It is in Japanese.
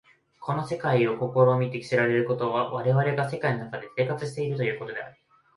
この現実を顧みて知られることは、我々が世界の中で生活しているということである。